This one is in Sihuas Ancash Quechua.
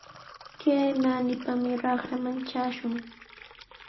Kay naanipami raqraman trashun.